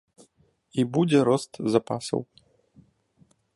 І будзе рост запасаў.